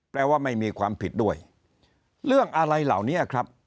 แปลว่าไม่มีความผิดด้วยเรื่องอะไรเหล่านี้ครับ